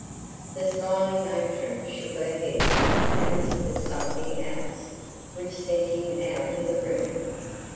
The smiling matron shook her head, and whispered something else, which sent him out of the room.